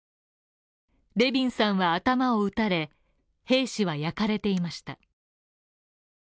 レビンさんは頭を撃たれ、兵士は焼かれていました。